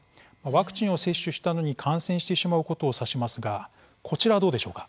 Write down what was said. ワクチンを接種したのに感染してしまうことを指しますがこちらはどうでしょうか？